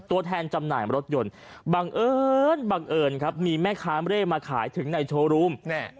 ตัวแทนจำหน่ายรถยนต์บังเอิญบังเอิญครับมีแม่ค้าเร่มาขายถึงในโชว์รูม